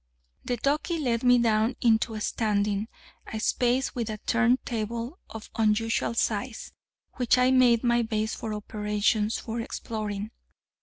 The ducky led me down into a standing a space with a turn table of unusual size, which I made my base of operations for exploring.